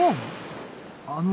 あの。